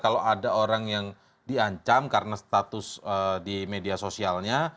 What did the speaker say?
kalau ada orang yang diancam karena status di media sosialnya